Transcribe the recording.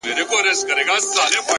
• هره ورځ له قهره نه وو پړسېدلی ,